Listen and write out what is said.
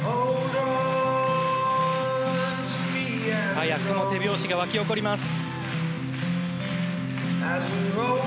早くも手拍子が沸き起こります。